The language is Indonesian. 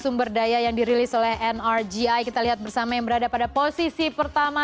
sumber daya yang dirilis oleh nrgi kita lihat bersama yang berada pada posisi pertama